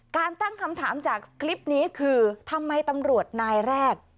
ตั้งคำถามจากคลิปนี้คือทำไมตำรวจนายแรก